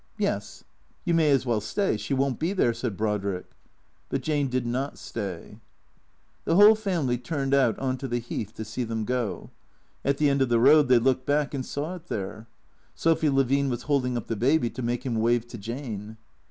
" Yes." " You may as well stay. She won't be there," said Brodriek. But Jane did not stay. The whole family turned out on to the Heath to see them go. At the end of the road they looked back and saw it there. Sophy Levine was holding up the Baby to make him wave to Jane.